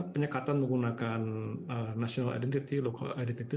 penyekatan menggunakan national identity local identity